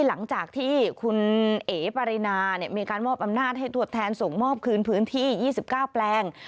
หลังจากที่คุณเอ๋ปรินามีการมอบอำนาจให้ตรวจแทนส่งมอบคืนพื้นที่๒๙แปลง